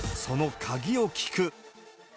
その鍵を聞く。